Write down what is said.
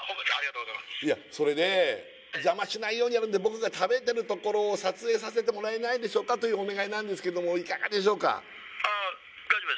それで邪魔しないようにやるんで僕が食べてるところを撮影させてもらえないでしょうかというお願いなんですけどもいかがでしょうか？